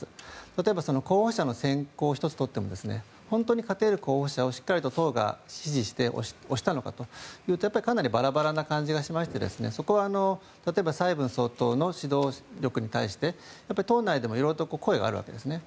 例えば候補者の選考１つ取っても本当に勝てる候補者をしっかり党が支持して推したのかというとかなりバラバラな感じがしましてそこは例えば蔡英文総統の指導力に対して党内でも色々と声があるわけですね。